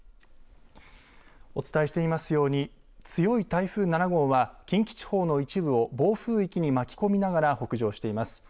お伝えしていますように強い台風７号は近畿地方の一部を暴風域に巻き込みながら北上しています。